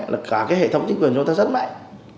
là cả hệ thống chính quyền của chúng ta rất mạnh